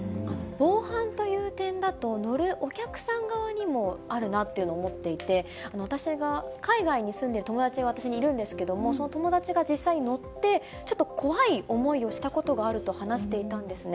防犯という点だと、乗るお客さん側にもあるなっていうのを思っていて、私が海外に住んでいる友達が私にいるんですけれども、その友達が実際に乗って、ちょっと怖い思いをしたことがあると話していたんですね。